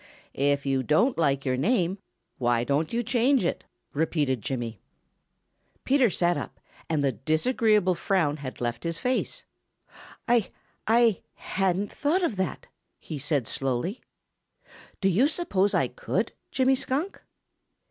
"If you don't like your name, why don't you change it?" repeated Jimmy. Peter sat up and the disagreeable frown had left his face. "I I hadn't thought of that," he said slowly. "Do you suppose I could, Jimmy Skunk?"